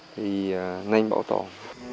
thì nhanh bảo tồn